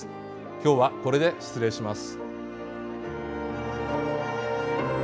今日はこれで失礼します。